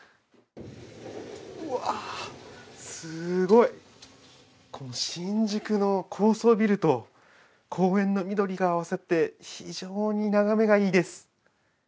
うわぁ、すごい、この新宿の高層ビルと公園の緑が合わさって非常に眺めがいいです。